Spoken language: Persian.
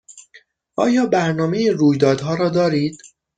آیا برنامه رویدادها را دارید؟